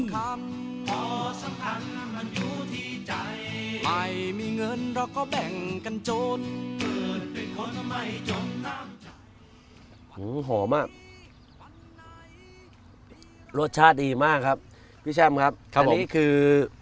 หื้อหอมอ่ะรสชาติดีมากครับพี่แชมป์ครับครับผมอันนี้คือ